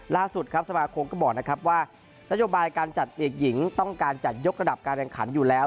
ล่าสุดสมาคมก็บอกว่านโยบายการจัดหลีกหญิงต้องการจัดยกระดับการดังขันอยู่แล้ว